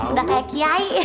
udah kayak kiai